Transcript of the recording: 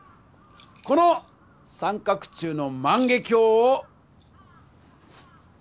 この三角柱の万華鏡を。